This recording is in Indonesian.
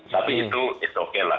tapi itu oke lah